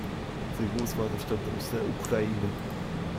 Sein Großvater stammte aus der Ukraine.